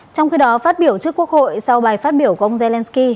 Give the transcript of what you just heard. trong khi đó phát biểu trước quốc hội sau bài phát biểu của ông zelensky